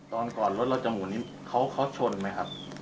ก่อนรถเราจะหมุนนี้เขาชนไหมครับ